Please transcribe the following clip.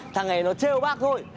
thằng này nó trêu bác thôi